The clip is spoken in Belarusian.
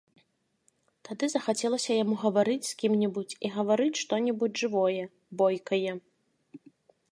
Тады захацелася яму гаварыць з кім-небудзь і гаварыць што-небудзь жывое, бойкае.